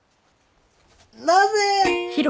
なぜ！？